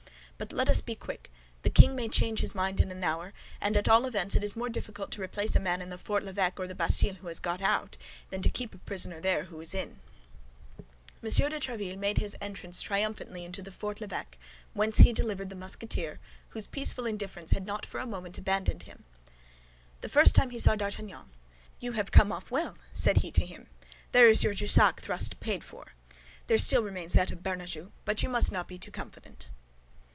But let us be quick—the king may change his mind in an hour; and at all events it is more difficult to replace a man in the Fort l'Evêque or the Bastille who has got out, than to keep a prisoner there who is in." M. de Tréville made his entrance triumphantly into the Fort l'Evêque, whence he delivered the Musketeer, whose peaceful indifference had not for a moment abandoned him. The first time he saw D'Artagnan, "You have come off well," said he to him; "there is your Jussac thrust paid for. There still remains that of Bernajoux, but you must not be too confident."